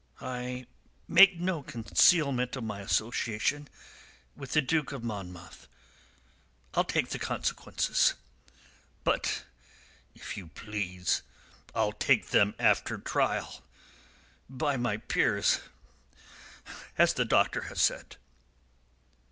"I make no concealment of my association with the Duke of Monmouth. I'll take the consequences. But, if you please, I'll take them after trial by my peers, as the doctor has said."